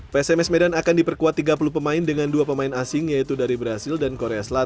psms medan akan diperkuat tiga puluh pemain dengan dua pemain asing yaitu dari brazil dan korea selatan